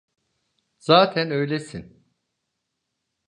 Zaten öylesin.